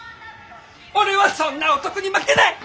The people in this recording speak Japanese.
俺はそんな男に負けない！